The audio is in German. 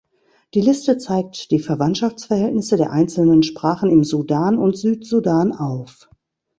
Die Liste zeigt die Verwandtschaftsverhältnisse der einzelnen Sprachen im Sudan und Südsudan auf.